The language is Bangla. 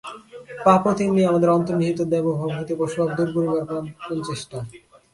পাপও তেমনি আমাদের অন্তর্নিহিত দেবভাব হইতে পশুভাব দূর করিবার প্রাণপণ চেষ্টা।